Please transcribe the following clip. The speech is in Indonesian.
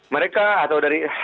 mereka atau dari